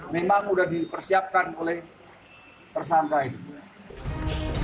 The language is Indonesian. memang sudah dipersiapkan oleh tersangka ini